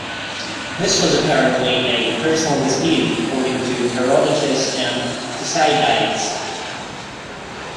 This was apparently a personal dispute, according to Herodotus and Thucydides.